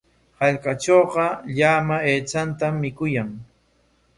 Hallqatrawqa llama aychatam mikuyan.